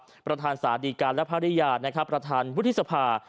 พระธานประธานสาธิการและภรรยาแทนครับประธานวุฒิษภา